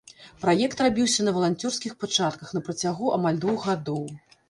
Праект рабіўся на валанцёрскіх пачатках на працягу амаль двух гадоў.